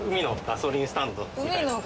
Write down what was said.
ガソリンスタンド！？